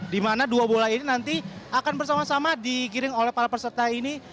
di mana dua bola ini nanti akan bersama sama digiring oleh para peserta ini